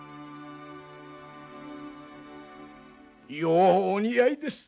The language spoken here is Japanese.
ようお似合いです。